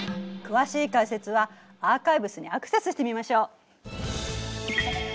詳しい解説はアーカイブスにアクセスしてみましょう。